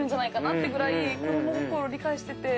ってくらい子ども心を理解してて。